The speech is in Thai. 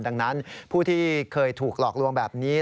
ดังนั้นผู้ที่เคยถูกหลอกลวงแบบนี้